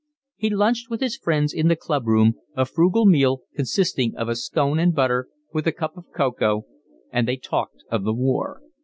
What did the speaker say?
He lunched with his friends in the club room, a frugal meal consisting of a scone and butter, with a cup of cocoa, and they talked of the war.